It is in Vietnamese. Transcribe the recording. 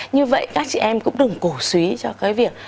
như vậy các chị em cũng đừng cổ suý cho cái việc